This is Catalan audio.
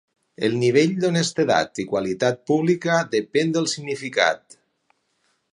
El nivell d'honestedat i qualitat pública depèn del significat.